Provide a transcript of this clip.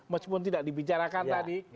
meskipun tidak dibicarakan tadi